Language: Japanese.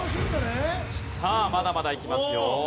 さあまだまだいきますよ。